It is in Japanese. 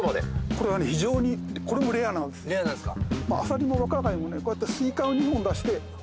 これはね非常にこれもレアなんですレアなんですか？